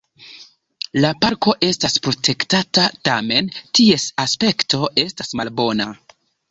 La parko estas protektata, tamen ties aspekto estas malbona.